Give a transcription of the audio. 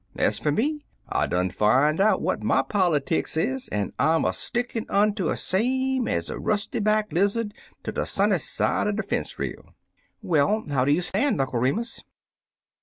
£z fer me, I done fin' out what my politics is, an' I 'm er stickin' unto um same ez er rusty back lizard ter de sunny side uv er fence rail." Well, how do you stand. Uncle Remus